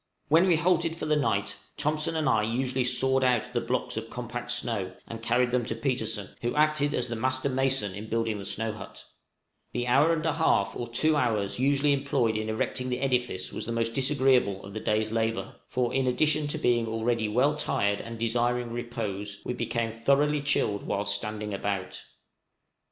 When we halted for the night, Thompson and I usually sawed out the blocks of compact snow and carried them to Petersen, who acted as the master mason in building the snow hut: the hour and a half or two hours usually employed in erecting the edifice was the most disagreeable of the day's labor, for, in addition to being already well tired and desiring repose, we became thoroughly chilled whilst standing about.